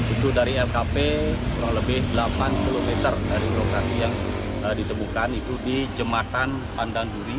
untuk dari lkp kurang lebih delapan km dari lokasi yang ditemukan itu di jembatan pandan duri